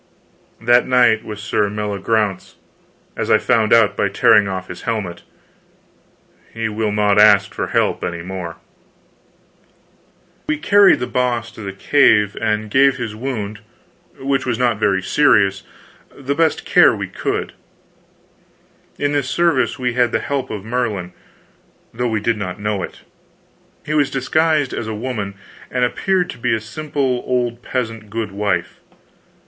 That knight was Sir Meliagraunce, as I found out by tearing off his helmet. He will not ask for help any more. We carried The Boss to the cave and gave his wound, which was not very serious, the best care we could. In this service we had the help of Merlin, though we did not know it. He was disguised as a woman, and appeared to be a simple old peasant goodwife.